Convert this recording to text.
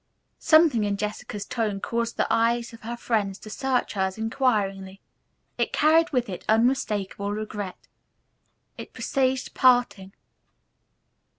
Something in Jessica's tone caused the eyes of her friends to search hers inquiringly. It carried with it unmistakable regret. It presaged parting.